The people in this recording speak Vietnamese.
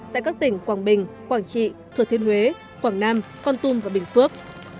tại các tỉnh quảng bình quảng trị thừa thiên huế quảng nam con tum và bình phước